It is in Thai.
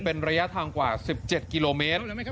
เป็นระยะทางกว่า๑๗กิโลเมตร